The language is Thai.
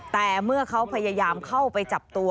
แต่เมื่อเขาพยายามเข้าไปจับตัว